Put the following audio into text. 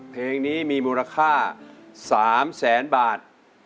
เพลงนี้มีมูลค่า๓แสนบาท